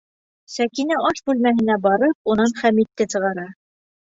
Сәкинә аш бүлмәһенә барып, унан Хәмитте сығара.